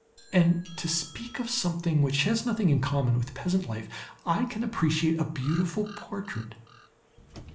And, to speak of something which has nothing in common with peasant life, I can appreciate a beautiful portrait.